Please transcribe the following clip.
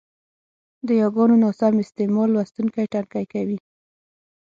د یاګانو ناسم استعمال لوستوونکی ټکنی کوي،